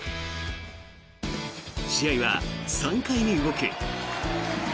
試合は３回に動く。